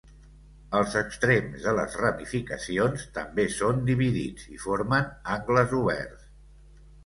Els extrems de les ramificacions també són dividits i formen angles oberts.